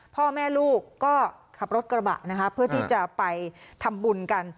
พ่อแม่ลูกก็ขับรถกระบะนะคะเพื่อที่จะไปทำบุญกัน